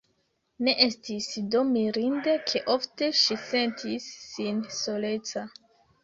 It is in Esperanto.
Ne estis do mirinde, ke ofte ŝi sentis sin soleca.